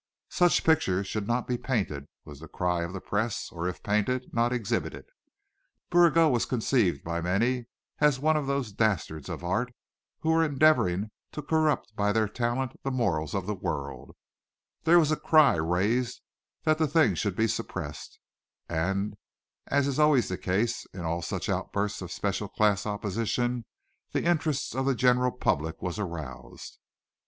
Such pictures should not be painted, was the cry of the press; or if painted, not exhibited. Bouguereau was conceived of by many as one of those dastards of art who were endeavoring to corrupt by their talent the morals of the world; there was a cry raised that the thing should be suppressed; and as is always the case in all such outbursts of special class opposition, the interest of the general public was aroused.